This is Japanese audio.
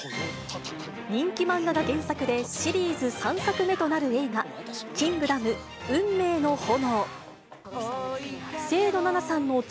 人気漫画が原作で、シリーズ３作目となる映画、キングダム運命の炎。